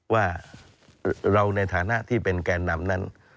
ว่าเราในฐานะที่เป็นแก่นำนั้น